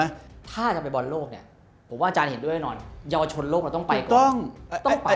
ถ้าจะไปบอลโลกเนี่ยผมว่าอาจารย์เห็นด้วยแน่นอนเยาวชนโลกเราต้องไปก็ต้องไป